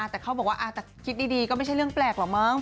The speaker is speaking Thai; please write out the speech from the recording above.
แต่เขาบอกว่าแต่คิดดีก็ไม่ใช่เรื่องแปลกหรอกมั้ง